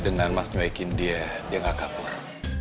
dengan mas nyoekin dia dia gak kapur